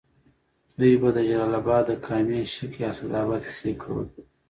دوی به د جلال اباد د کامې، شګۍ، اسداباد کیسې کولې.